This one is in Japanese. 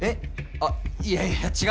あいやいや違う違う。